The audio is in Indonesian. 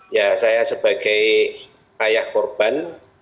ya saya sebagai ayah korban